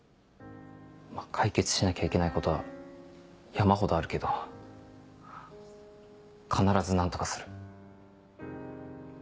解決しなきゃいけないことは山ほどあるけど必ず何とかする。